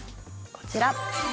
こちら。